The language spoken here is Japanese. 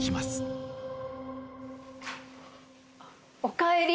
おかえり。